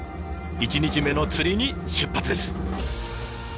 １日目の釣りに出発です。